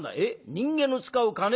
人間の使う金？」。